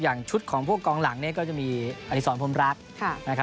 อย่างชุดของพวกกองหลังนี่ก็จะมีอธิษฐรมพรมรัก